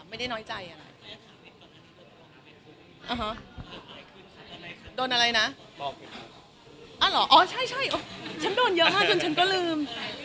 อ่ะโดนอะไรนะอ่าเหรออ๋อใช่ใช่อ๋อฉันโดนเยอะมากจนฉันก็ลืม